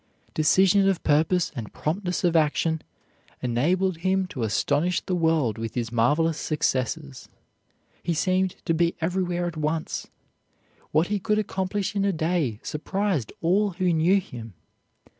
Decision of purpose and promptness of action enabled him to astonish the world with his marvelous successes. He seemed to be everywhere at once. What he could accomplish in a day surprised all who knew him.